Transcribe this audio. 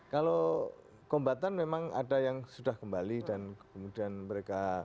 kalau kombatan memang ada yang sudah kembali dan kemudian mereka